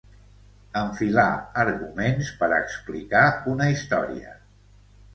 Enfilar arguments per explicar una història.